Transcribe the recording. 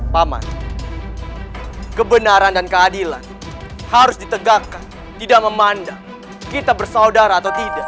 paman kebenaran dan keadilan harus ditegakkan tidak memandang kita bersaudara atau tidak